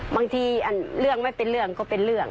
บางทีเรื่องไม่เป็นเรื่องก็เป็นเรื่อง